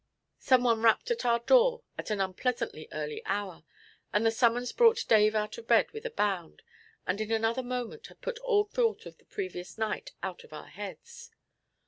Someone rapped at our door at an unpleasantly early hour, and the summons brought Dave out of bed with a bound, and in another moment had put all thought of the previous night out of our heads.